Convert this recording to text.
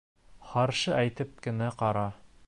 Харшы әйтеп кенә ҡара!